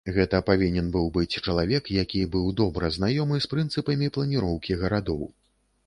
Гэта павінен быў быць чалавек, які быў добра знаёмы з прынцыпамі планіроўкі гарадоў.